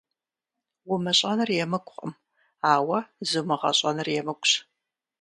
Умыщӏэныр емыкӏукъым, ауэ зумыгъэщӏэныр емыкӏущ.